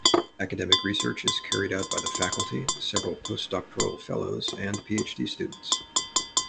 Academic research is carried out by the faculty, several post-doctoral fellows, and PhD-students.